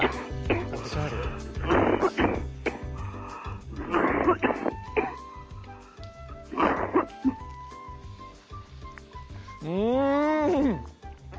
おしゃれうん！